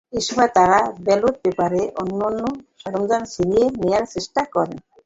এ সময় তাঁরা ব্যালট পেপারসহ অন্যান্য সরঞ্জাম ছিনিয়ে নেওয়ার চেষ্টা করেন।